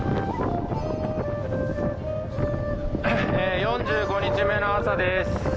４５日目の朝です。